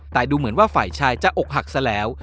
แต่ดูเหมือนว่าฝ่ายชายจะอกหักซะแล้ว